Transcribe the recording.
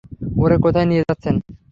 ওরে কোথায় নিয়ে যাচ্ছেন?